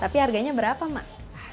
tapi harganya berapa mak